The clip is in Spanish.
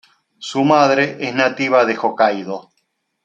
Su madre es nativa de Hokkaidō.